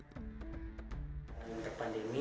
pada saat pandemi